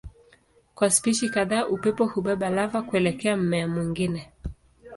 Kwa spishi kadhaa upepo hubeba lava kuelekea mmea mwingine.